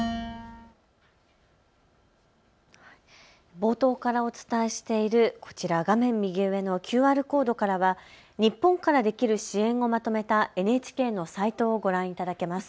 冒頭からお伝えしているこちら、画面右上のＱＲコードからは日本からできる支援をまとめたＮＨＫのサイトをご覧いただけます。